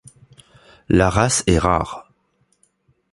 La race est rare.